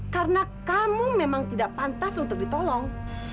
karena kamu memang tidak pantas untuk ditolong